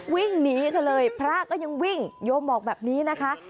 วิ่งหนีกันเลยพระก็ยังวิ่งโยมบอกแบบนี้นะคะ